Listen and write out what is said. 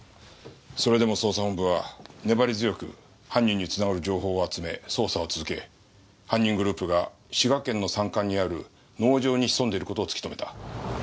それでも捜査本部は粘り強く犯人に繋がる情報を集め捜査を続け犯人グループが滋賀県の山間にある農場に潜んでる事を突き止めた。